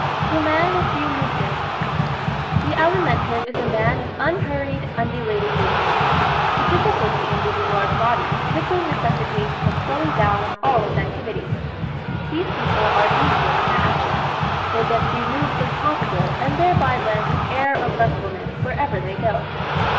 The Man of Few Movements ¶ The Alimentive is a man of unhurried, undulating movements. The difficulty in moving large bodies quickly necessitates a slowing down of all his activities. These people are easeful in their actions, make as few moves as possible and thereby lend an air of restfulness wherever they go.